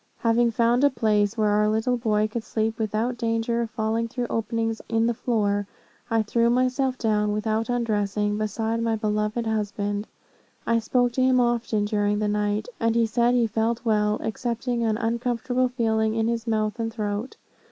Having found a place where our little boy could sleep without danger of falling through openings in the floor, I threw myself down, without undressing, beside my beloved husband. I spoke to him often during the night, and he said he felt well, excepting an uncomfortable feeling in his mouth and throat.